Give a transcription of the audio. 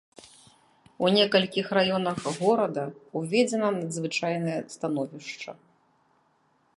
У некалькіх раёнах горада ўведзена надзвычайнае становішча.